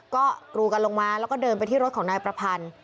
ก็กรูกันลงมาแล้วก็เดินไปที่รถของนายประพันธ์